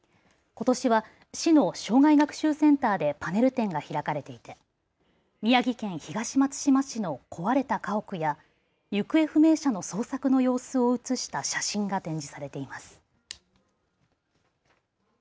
ことしは市の生涯学習センターでパネル展が開かれていて宮城県東松島市の壊れた家屋や行方不明者の捜索の様子を写した写真が展示されています。